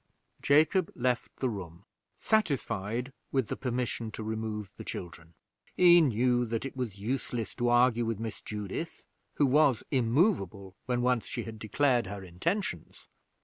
Jacob left the room, satisfied with the permission to remove the children. He knew that it was useless to argue with Miss Judith, who was immovable when once she had declared her intentions.